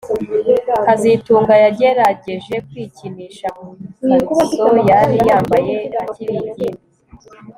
kazitunga yagerageje kwikinisha mu ikariso yari yambaye akiri ingimbi